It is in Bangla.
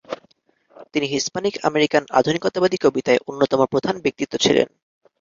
তিনি হিস্পানিক আমেরিকান আধুনিকতাবাদী কবিতায় অন্যতম প্রধান ব্যক্তিত্ব ছিলেন।